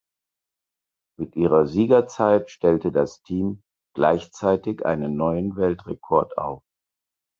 Mit ihrer Siegerzeit stellte das Team gleichzeitig einen neuen Weltrekord auf.